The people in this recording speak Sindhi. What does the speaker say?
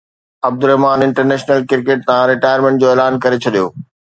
عبدالرحمان انٽرنيشنل ڪرڪيٽ تان رٽائرمينٽ جو اعلان ڪري ڇڏيو